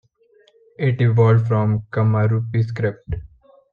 It evolved from Kamarupi script.